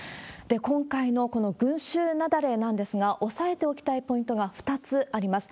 今回のこの群衆雪崩なんですが、押さえておきたいポイントが２つあります。